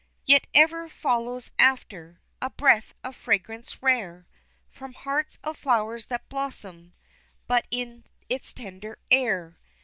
Yet ever follows after, A breath of fragrance rare From hearts of flowers that blossom But in its tender air.